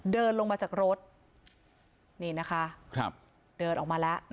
เดินลงมาจากรถนี่นะคะเดินออกมาแล้ว